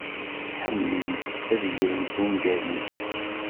Ḥemmlen ad ɣren ungalen.